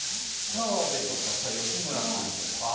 澤部とか吉村君とか。